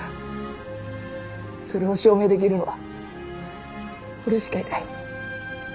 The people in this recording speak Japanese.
それを証明できるのは俺しかいない